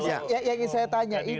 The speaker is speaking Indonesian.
mas benny yang saya tanya